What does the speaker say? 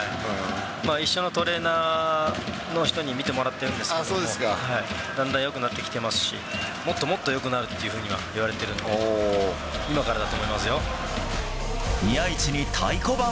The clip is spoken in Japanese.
一緒のトレーナーの人に診てもらってるんですけれども、だんだんよくなってきてますし、もっともっとよくなるというふうには言われているんで、今からだ宮市に太鼓判。